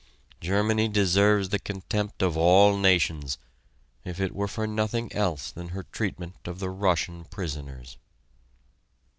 Germany deserves the contempt of all nations, if it were for nothing else than her treatment of the Russian prisoners.